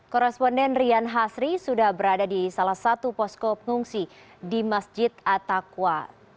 korresponden rian hasri sudah berada di salah satu poskop ngungsi di masjid attaqwa